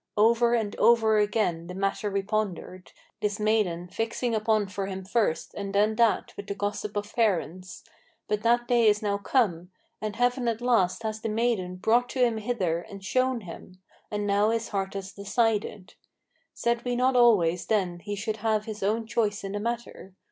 Over and over again the matter we pondered: this maiden Fixing upon for him first, and then that, with the gossip of parents. But that day is now come; and Heaven at last has the maiden Brought to him hither, and shown him; and now his heart has decided. Said we not always then he should have his own choice in the matter?